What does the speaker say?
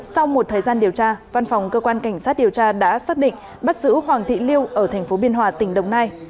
sau một thời gian điều tra văn phòng cơ quan cảnh sát điều tra đã xác định bắt giữ hoàng thị liêu ở tp biên hòa tỉnh đồng nai